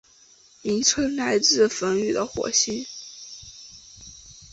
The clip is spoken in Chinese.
名称来自于梵语的火星。